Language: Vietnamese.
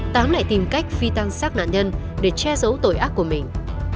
tám lại tìm cách phi tăng xác nạn nhân để che giấu tội ác của mình